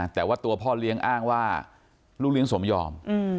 แต่ว่าตัวพ่อเลี้ยงอ้างว่าลูกเลี้ยงสมยอม